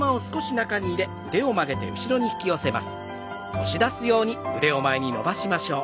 押し出すように前に伸ばしましょう。